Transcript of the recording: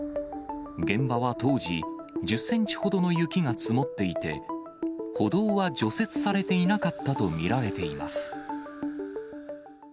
現場は当時、１０センチほどの雪が積もっていて、歩道は除雪されていなかったと見られています。